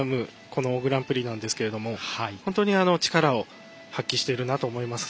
このグランプリなんですが本当に力を発揮しているなと思います。